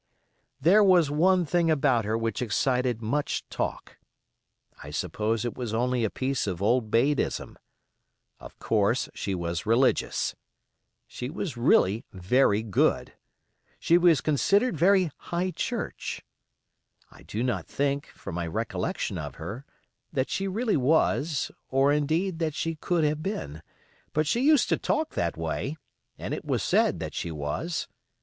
There was one thing about her which excited much talk; I suppose it was only a piece of old maidism. Of course she was religious. She was really very good. She was considered very high church. I do not think, from my recollection of her, that she really was, or, indeed, that she could have been; but she used to talk that way, and it was said that she was.